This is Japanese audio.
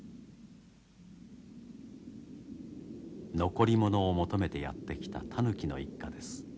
残り物を求めてやって来たタヌキの一家です。